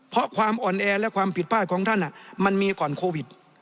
เพราะความอ่อนแอและความผิดพลาดของท่านมันมีก่อนโควิด